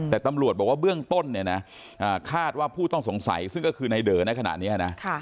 แต่ตำรวจบอกว่าเบื้องต้นเนี่ยนะคาดว่าผู้ต้องสงสัยซึ่งก็คือในเดอในขณะนี้นะ